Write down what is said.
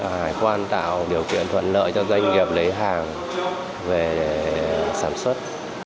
hải quan tạo điều kiện thuận lợi cho doanh nghiệp lấy hàng về sản xuất